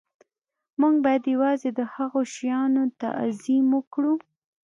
موږ باید یوازې د هغو شیانو تعظیم وکړو